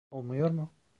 Olmuyor mu?